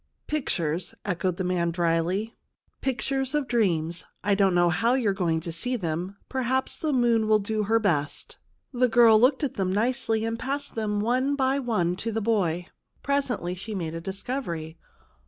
" Pictures," echoed the man drily, " pic tures of dreams. I don't know how you're going to see them. Perhaps the moon will do her best." The girl looked at them nicely, and passed them on one by one to the boy. Presently she made a discovery.